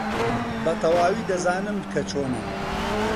بەتەواوی دەزانم کە چۆنە.